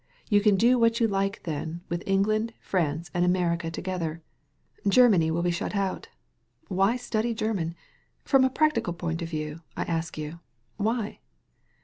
You can do what you like, then, with England, France, and America to gether. Germany will be shut out. Why study German? From a practical point of view, I ask you, why?"